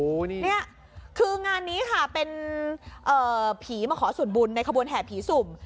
นี่คืองานนี้ค่ะเป็นผีมาขอส่วนบุญในขบวนแห่ผีสุ่ม